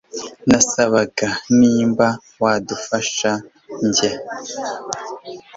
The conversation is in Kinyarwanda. nasabaga nimba wadufasha njye